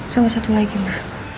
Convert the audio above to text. sama satu lagi ma